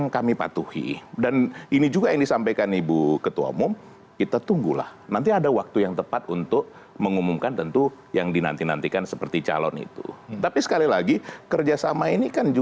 kami di pks dan nasdem insya allah akan banyak titik titik temu